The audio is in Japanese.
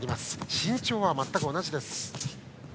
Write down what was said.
身長は全く同じです。